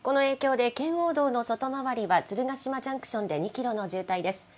この影響で圏央道の外回りはつるがしまジャンクションで２キロの渋滞です。